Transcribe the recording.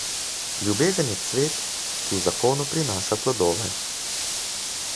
Ljubezen je cvet, ki v zakonu prinaša plodove.